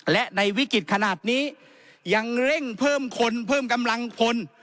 และในวิกฤตขนาดนี้ยังเร่งเพิ่มคนเพิ่มกำลังพล